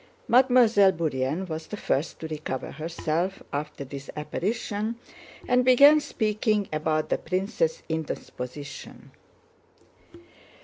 Mademoiselle Bourienne was the first to recover herself after this apparition and began speaking about the prince's indisposition.